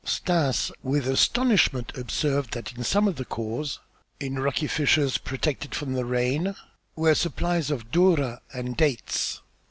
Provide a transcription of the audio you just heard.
Stas with astonishment observed that in some of the khors, in rocky fissures protected from rain, were supplies of durra and dates.